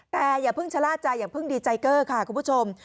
แต่อย่าเพิ่งชะล่าใจอย่าเพิ่งดีใจเกอร์ค่ะคุณผู้ชม